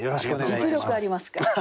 実力ありますから。